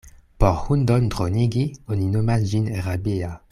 Por hundon dronigi, oni nomas ĝin rabia.